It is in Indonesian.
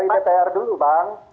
dpr dulu bang